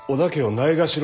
ないがしろ？